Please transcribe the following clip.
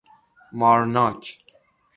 مارناک